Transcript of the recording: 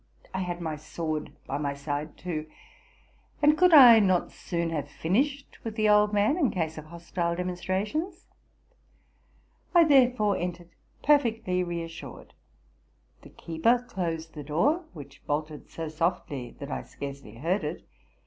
I had my sword by my side too; and could I 'not soon have finished with the old man, in case of hostile demonstrations? TI there fore entered perfectly re assured : the keeper closed the door, which bolted so softly that I scarcely heard it.